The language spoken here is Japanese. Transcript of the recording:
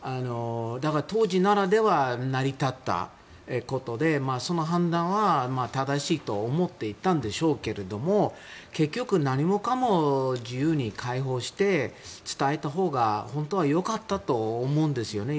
当時だから成り立ったことでその判断は正しいと思っていたんでしょうけど結局、何もかも自由に開放して伝えたほうが、本当は良かったと思うんですよね。